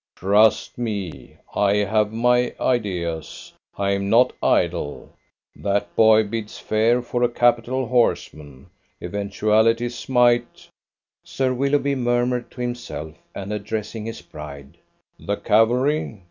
"Trust me. I have my ideas. I am not idle. That boy bids fair for a capital horseman. Eventualities might ..." Sir Willoughby murmured to himself, and addressing his bride, "The cavalry?